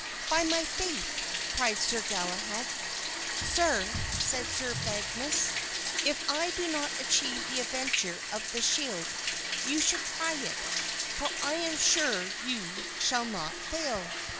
"By my faith!" cried Sir Galahad. "Sir," said Sir Badgemagus, "if I do not achieve the adventure of the shield, you shall try it, for I am sure you shall not fail."